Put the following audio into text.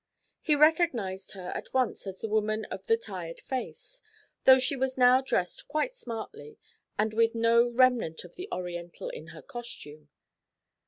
He recognised her at once as the woman of the 'tired' face, though she was now dressed quite smartly and with no remnant of the Oriental in her costume.